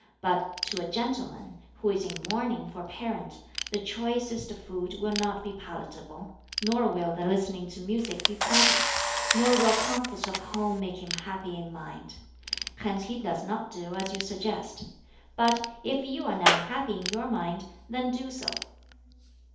But to a gentleman, who is in mourning for a parent, the choicest food will not be palatable, nor will the listening to music be pleasant, nor will comforts of home make him happy in mind. Hence he does not do as you suggest. But if you are now happy in your mind, then do so."